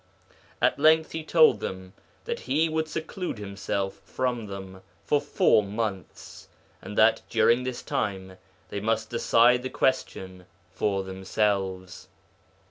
At length he told them that he would seclude himself from them for four months, and that during this time they must decide the question for themselves.